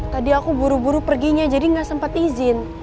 tadi aku buru buru perginya jadi gak sempet izin